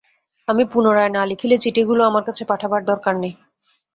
আমি পুনরায় না লিখিলে চিঠিগুলো আমার কাছে পাঠাবার দরকার নেই।